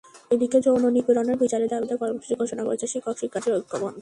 এদিকে যৌন নিপীড়নের বিচারের দাবিতে কর্মসূচি ঘোষণা করেছে শিক্ষক-শিক্ষার্থী ঐক্য মঞ্চ।